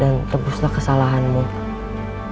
dengan memperbaiki semua kehancuran yang telah kamu ciptakan